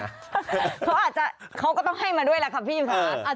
เพราะอาจจะเขาก็ต้องให้มาด้วยแหละครับพี่มธรรม